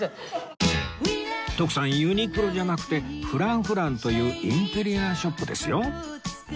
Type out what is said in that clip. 徳さんユニクロじゃなくてフランフランというインテリアショップですよ